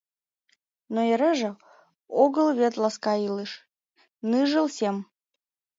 Но эреже огыл вет Ласка илыш, ныжыл сем.